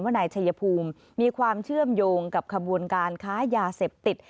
นายชัยภูมิมีความเชื่อมโยงกับขบวนการค้ายาเสพติด